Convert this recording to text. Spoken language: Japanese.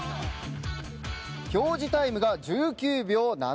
表示タイムが１９秒７４。